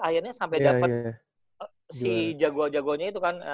akhirnya sampai dapat si jago jago nya itu kan